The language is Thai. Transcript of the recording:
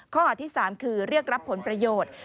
ข้อหาที่๓คือเรียกรับผลประโยชน์